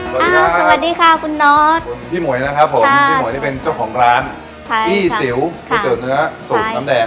สวัสดีค่ะคุณน็อตพี่หมวยนะครับผมพี่หมวยนี่เป็นเจ้าของร้านพี่ติ๋วยเตี๋ยเนื้อสูตรน้ำแดง